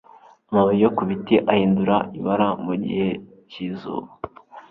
amababi yo ku biti ahindura ibara mu gihe cyizuba